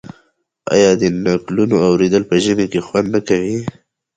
آیا د نکلونو اوریدل په ژمي کې خوند نه کوي؟